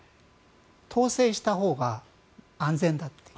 統制したほうが安全だと。